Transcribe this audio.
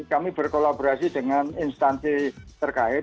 kami berkolaborasi dengan instansi terkait